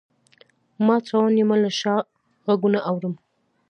مات روان یمه له شا غــــــــږونه اورم